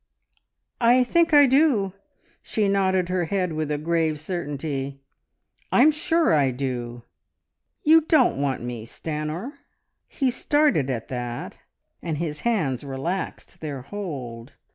"I think I do." She nodded her head with a grave certainty. "I'm sure I do. ... You don't want me, Stanor!" He started at that, and his hands relaxed their hold.